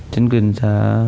chứng kiến xã